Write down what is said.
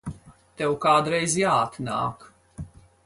Tev kādreiz jāatnāk.